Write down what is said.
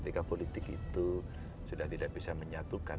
etika politik itu sudah tidak bisa menyatukan